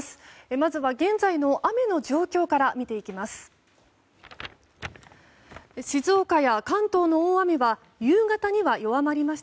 まずは現在の雨の状況から見ていきます。